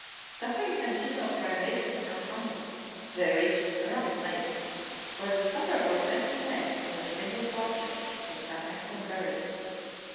Suffering continual privations from hunger, they reached Rum Lake, where the supper for twenty men was a single partridge with some excellent berries.